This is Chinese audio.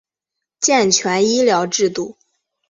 健全医疗制度